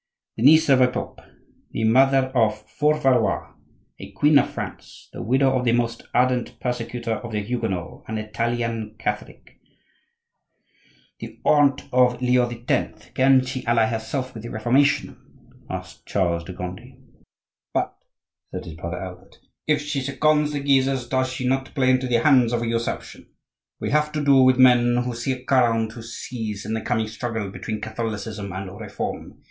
"The niece of a Pope, the mother of four Valois, a queen of France, the widow of the most ardent persecutor of the Huguenots, an Italian Catholic, the aunt of Leo X.,—can she ally herself with the Reformation?" asked Charles de Gondi. "But," said his brother Albert, "if she seconds the Guises does she not play into the hands of a usurpation? We have to do with men who see a crown to seize in the coming struggle between Catholicism and Reform.